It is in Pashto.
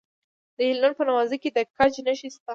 د هلمند په نوزاد کې د ګچ نښې شته.